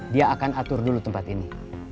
dia akan atur dulu tempat ini